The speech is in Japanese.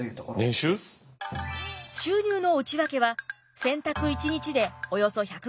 収入の内訳は洗濯一日でおよそ１５０円。